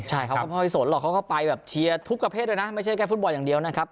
ใช่เขาก็ไม่ค่อยสนหรอกเขาก็ไปแบบเชียร์ทุกประเภทด้วยนะไม่ใช่แค่ฟุตบอลอย่างเดียวนะครับ